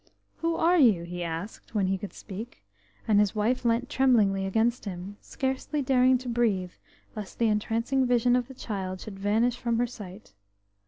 "Who are you?" he asked, when he could speak, and his wife leant tremblingly against him, scarcely daring to breathe lest the entrancing vision of the child should vanish from her sight.